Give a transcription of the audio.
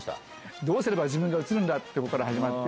どうすれば自分が映るんだっていうところから始まって。